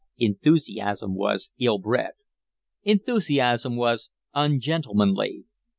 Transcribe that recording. Enthusiasm was ill bred. Enthusiasm was ungentlemanly.